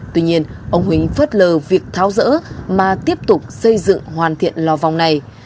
tuy nhiên ông huỳnh phớt lờ việc tháo rỡ mà tiếp tục xây dựng hoàn thiện lò vòng này